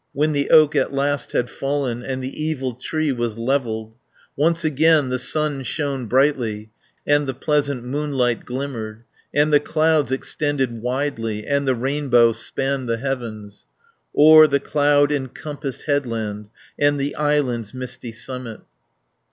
When the oak at last had fallen, And the evil tree was levelled, Once again the sun shone brightly, And the pleasant moonlight glimmered, 220 And the clouds extended widely, And the rainbow spanned the heavens, O'er the cloud encompassed headland, And the island's misty summit.